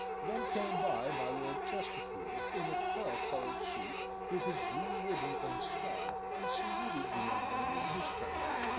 Then came by my Lord Chesterfield, in a pearl coloured suit, with his blue ribbon and star, and saluted the young men in his turn.